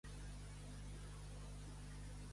La manta i la berena al dors no et donen nos.